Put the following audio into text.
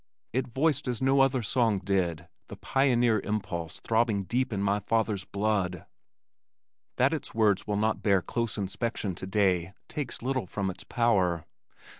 It voiced as no other song did, the pioneer impulse throbbing deep in my father's blood. That its words will not bear close inspection today takes little from its power.